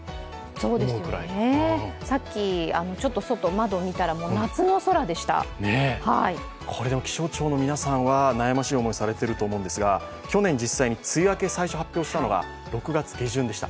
そうですよね、さっきちょっと窓、空見たらこれでも気象庁の皆さんは悩ましい思いをされてると思うんですが去年、実際に梅雨明けを最初に発表したのが６月下旬でした。